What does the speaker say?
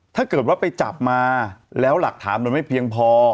ถ้าคุณกลับมาแล้วหลักฐานโดนไม่เพียงพอ